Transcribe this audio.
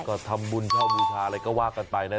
ก็ทำบุญเช่าบูชาอะไรก็ว่ากันไปนะ